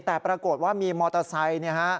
แต่ปรากฏว่ามีมอเตอร์ไซต์